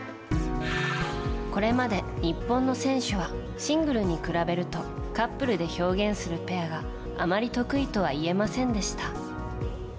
これまで日本の選手はシングルに比べるとカップルで表現するペアがあまり得意とはいえませんでした。